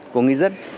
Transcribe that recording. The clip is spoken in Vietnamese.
của người dân